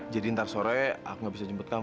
jadi ntar sore aku nggak bisa jemput kamu